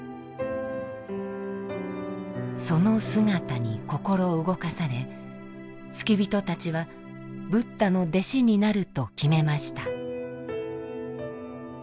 その姿に心動かされ付き人たちはブッダの弟子になると決めました。